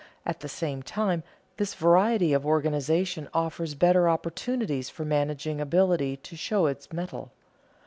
At the same time this variety of organization offers better opportunities for managing ability to show its metal.